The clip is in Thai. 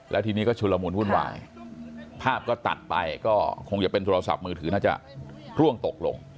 แล้วทีนี้ก็ชุลมูลวุ่นวายภาพก็ตัดไปก็คงจะเป็นโทรศัพท์มือถือน่าจะร่วงตกลง